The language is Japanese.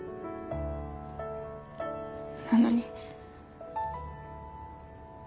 なのに。